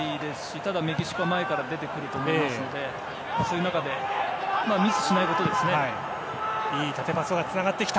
ただ、メキシコは前から出てくると思いますのでそういう中でミスしないことですね。